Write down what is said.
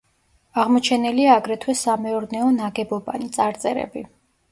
აღმოჩენილია აგრეთვე სამეურნეო ნაგებობანი, წარწერები.